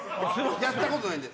やったことないんで。